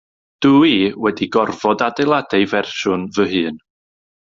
Dw i wedi gorfod adeiladu fersiwn fy hun.